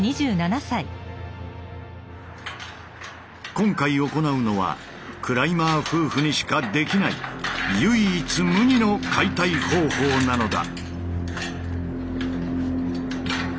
今回行うのはクライマー夫婦にしかできない唯一無二の解体工法なのだ！